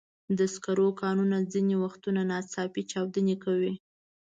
د سکرو کانونه ځینې وختونه ناڅاپي چاودنې کوي.